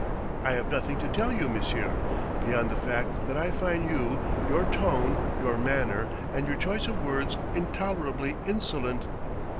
"I have nothing to tell you, monsieur, beyond the fact that I find you, your tone, your manner, and your choice of words, intolerably insolent."